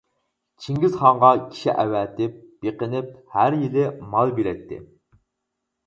چىڭگىزخانغا كىشى ئەۋەتىپ، بېقىنىپ ھەر يىلى مال بېرەتتى.